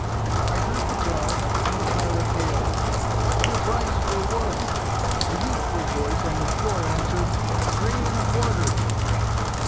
I heard the bell and the pilot's hail, "What's your price for wood?" A youthful voice on the shore answered, "Three and a quarter!"